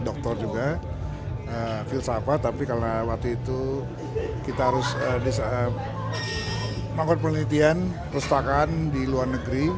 doktor juga filsafat tapi karena waktu itu kita harus mengangkut penelitian perusahaan di luar negeri